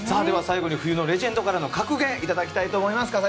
最後に冬のレジェンドから格言をいただきたいと思います。